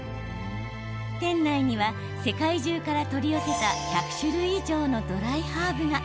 店内には世界中から取り寄せた１００種類以上のドライハーブが。